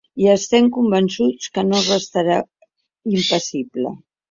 I estem convençuts que no restarà impassible.